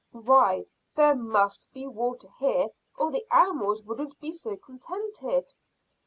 "Why, there must be water here, or the animals wouldn't be so contented.